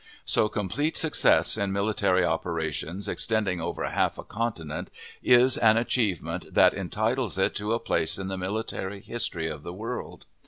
So complete success in military operations, extending over half a continent, is an achievement that entitles it to a place in the military history of the world.